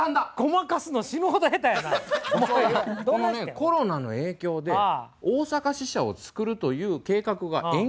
コロナの影響で大阪支社を作るという計画が延期になったんですよ。